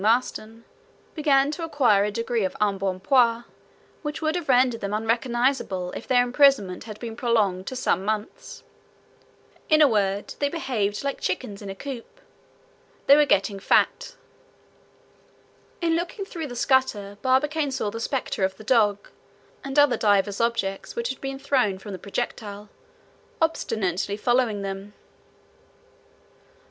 Maston, began to acquire a degree of embonpoint which would have rendered them unrecognizable if their imprisonment had been prolonged to some months. In a word, they behaved like chickens in a coop; they were getting fat. In looking through the scuttle Barbicane saw the specter of the dog, and other divers objects which had been thrown from the projectile, obstinately following them.